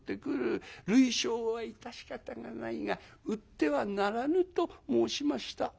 類焼は致し方がないが売ってはならぬ』と申しました」。